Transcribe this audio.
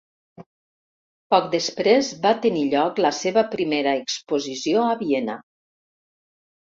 Poc després, va tenir lloc la seva primera exposició a Viena.